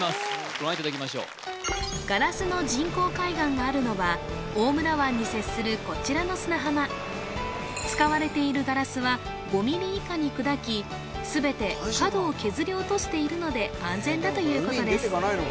ご覧いただきましょうガラスの人工海岸があるのは大村湾に接するこちらの砂浜使われているガラスは５ｍｍ以下に砕きすべて角を削り落としているので安全だということです